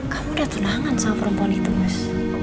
kamu udah tenangan sama perempuan itu mas